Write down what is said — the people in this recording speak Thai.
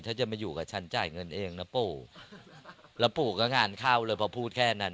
ถ้าจะอยู่กับฉันจ่ายเงินเองนะปู่